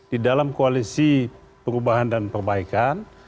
di dalam koalisi perubahan dan perbaikan